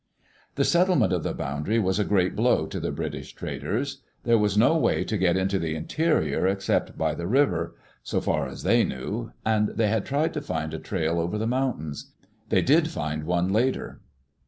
The settlement of the boundary was a great blow to the British traders. There was no way to get into the Interior except by the river, so far as they knew, and they had [i6i] Digitized by CjOOQ IC EARLY DAYS IN OLD OREGON tried to find a trail over the mountains. They did find one later.